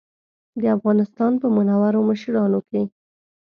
د افغانستان په منورو مشرانو کې.